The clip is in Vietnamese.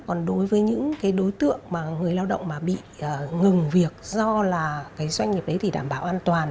còn đối với những đối tượng mà người lao động bị ngừng việc do doanh nghiệp đảm bảo an toàn